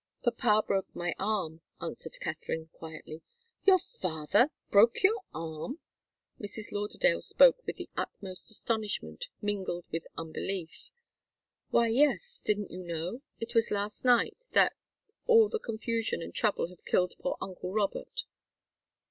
"Papa broke my arm," answered Katharine, quietly. "Your father broke your arm?" Mrs. Lauderdale spoke with the utmost astonishment, mingled with unbelief. "Why, yes. Didn't you know? It was last night that all the confusion and trouble have killed poor uncle Robert.